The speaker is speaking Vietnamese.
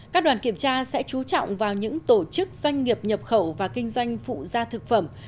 các đoàn kiểm tra sẽ trú trọng vào những tổ chức doanh nghiệp nhập khẩu và kinh doanh phụ gia thực phẩm